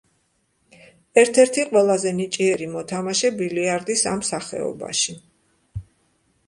ერთ-ერთი ყველაზე ნიჭიერი მოთამაშე ბილიარდის ამ სახეობაში.